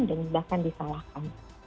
dan bahkan disalahkan